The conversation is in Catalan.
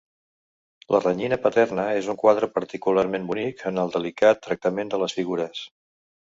La renyina paterna és un quadre particularment bonic en el delicat tractament de les figures.